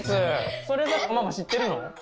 それはママ知ってるの？